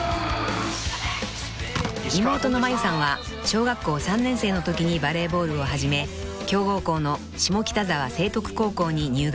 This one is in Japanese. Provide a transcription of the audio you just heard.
［妹の真佑さんは小学校３年生のときにバレーボールを始め強豪校の下北沢成徳高校に入学］